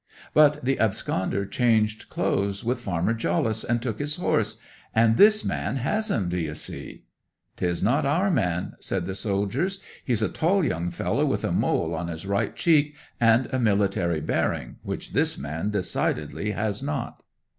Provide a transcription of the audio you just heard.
'"But the absconder changed clothes with Farmer Jollice, and took his horse; and this man has 'em, d'ye see!" '"'Tis not our man," said the soldiers. "He's a tall young fellow with a mole on his right cheek, and a military bearing, which this man decidedly has not."